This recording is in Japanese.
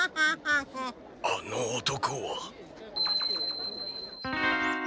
あの男は。